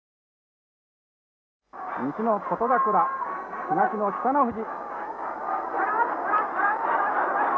西の琴櫻、東の北の富士。